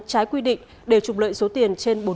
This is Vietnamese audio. trái quy định để trục lợi số tiền trên